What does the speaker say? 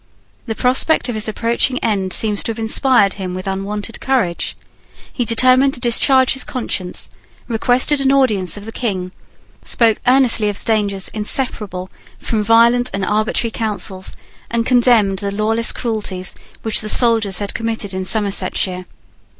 The prospect of his approaching end seems to have inspired him with unwonted courage. He determined to discharge his conscience, requested an audience of the King, spoke earnestly of the dangers inseparable from violent and arbitrary counsels, and condemned the lawless cruelties which the soldiers had committed in Somersetshire.